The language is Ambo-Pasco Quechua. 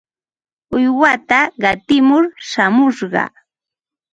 Uywata qatimur shamurqaa.